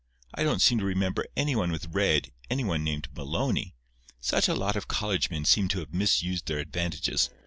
I don't seem to remember any one with red—any one named Maloney. Such a lot of college men seem to have misused their advantages.